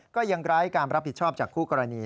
ก็ยังไร้การรับผิดชอบจากคู่กรณี